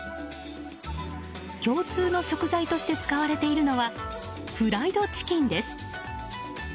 共通の食材として使われているのはフライドチキンです。